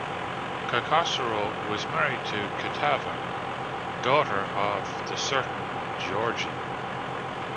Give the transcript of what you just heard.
Kaikhosro was married to Ketevan, daughter of the certain Giorgi.